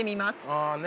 ああねえ。